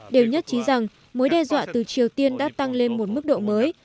đều nhất trí rằng mối đe dọa từ triều tiên đã tăng lên một mức độ mới